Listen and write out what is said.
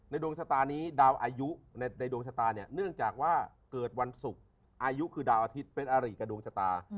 ดวงชะตานี้ดาวอายุในดวงชะตาเนี่ยเนื่องจากว่าเกิดวันศุกร์อายุคือดาวอาทิตย์เป็นอาริกับดวงชะตา